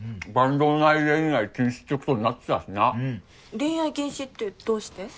恋愛禁止ってどうして？